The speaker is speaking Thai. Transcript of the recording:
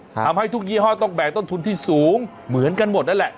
ทำให้ทุกยี่ห้อต้องแบกต้นทุนที่สูงเหมือนกันหมดนั่นแหละ